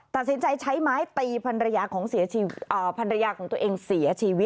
ตัดสินใจใช้ไม้ตีภรรยาของภรรยาของตัวเองเสียชีวิต